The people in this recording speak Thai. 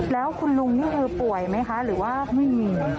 แล้วคุณลุงนี่เธอป่วยไหมคะหรือว่าไม่มี